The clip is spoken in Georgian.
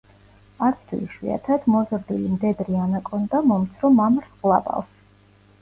არც თუ იშვიათად მოზრდილი მდედრი ანაკონდა, მომცრო მამრს ყლაპავს.